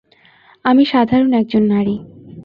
আমি সাধারণ একজন নারী।